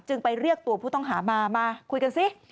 ไปเรียกตัวผู้ต้องหามามาคุยกันสิ